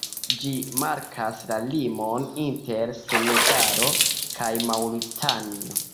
Ĝi markas la limon inter Senegalo kaj Maŭritanio.